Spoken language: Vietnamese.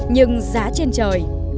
nhưng giá trên trời